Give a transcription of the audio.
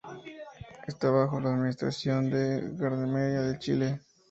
Está bajo la administración de Gendarmería de Chile.